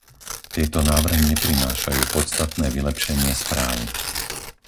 Tieto návrhy neprinášajú podstatné vylepšenie správy.